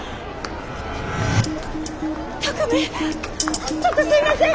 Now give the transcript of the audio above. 巧海ちょっとすいません！